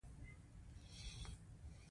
د پیرودونکي باور مه ماتوه.